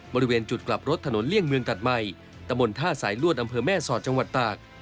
บริเวณจุดกลับรถถนนเลี่ยงเมืองตัดใหม่ตะบนท่าสายลวดอำเภอแม่สอดจังหวัดตาก